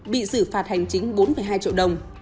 bị xử phạt hành chính bốn hai triệu đồng